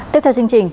tiếp theo chương trình